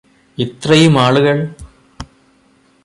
ഇത്രയും ആളുകള്